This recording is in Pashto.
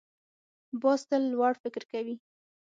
باز تل لوړ فکر کوي